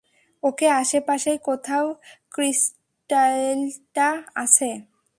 ওকে, আশেপাশেই কোথাও ক্রিস্টালটা আছে।